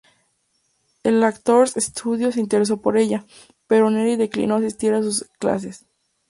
El Actors Studio se interesó por ella, pero Neri declinó asistir a sus clases.